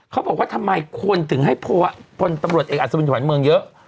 เขาบอกว่าทำไมคนถึงให้พลตำรวจเอกอัศวินขวัญเมืองเยอะ